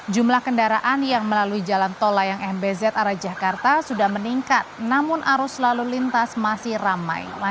jumlah kendaraan yang melalui jalan tol layang mbz arah jakarta sudah meningkat namun arus lalu lintas masih ramai